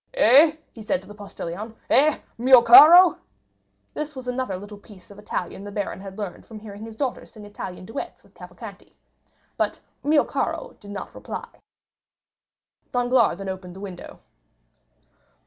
"Eh?" he said to the postilion, "eh, mio caro?" This was another little piece of Italian the baron had learned from hearing his daughter sing Italian duets with Cavalcanti. But mio caro did not reply. Danglars then opened the window.